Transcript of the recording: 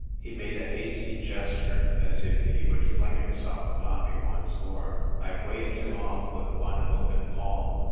" He made a hasty gesture as if he would fling himself upon me once more. I waved him off with one open palm.